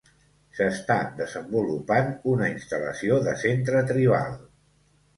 S'està desenvolupant una instal·lació de centre tribal.